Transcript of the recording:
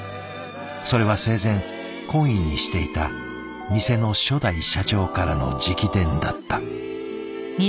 それは生前懇意にしていた店の初代社長からの直伝だった。